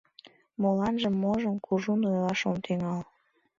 Моланжым-можым кужун ойлаш ом тӱҥал.